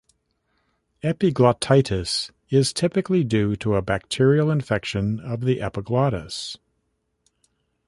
Epiglottitis is typically due to a bacterial infection of the epiglottis.